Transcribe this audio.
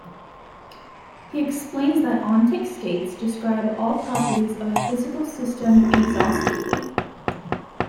He explains that "ontic" states describe all properties of a physical system exhaustively.